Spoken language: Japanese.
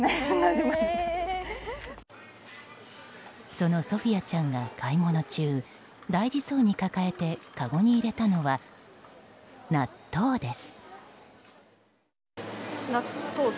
そのソフィアちゃんが買い物中、大事そうに抱えてかごに入れたのは、納豆です。